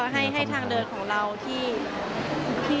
ให้ทางเดินของเราที่